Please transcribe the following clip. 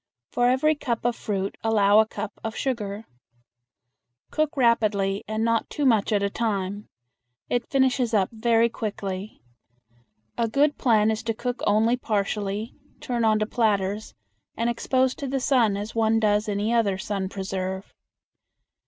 For every cup of fruit allow a cup of sugar. Cook rapidly and not too much at a time. It finishes up very quickly. A good plan is to cook only partially, turn onto platters, and expose to the sun as one does any other sun preserve.